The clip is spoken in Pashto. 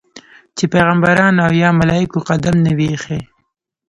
چې پیغمبرانو او یا ملایکو قدم نه وي ایښی.